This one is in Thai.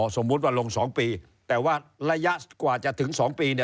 สมมุติว่าลง๒ปีแต่ว่าระยะกว่าจะถึง๒ปี